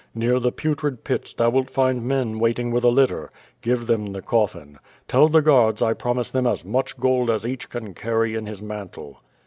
Near. the "Putrid Pits" thou wilt find men waiting with a lit ter. Give them the coffin. Tell the guards 1 promise them as much gold as eafch can carry in his mantle.''